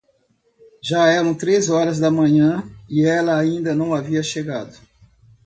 Já eram três horas da manhã, ela ainda não havia chegado.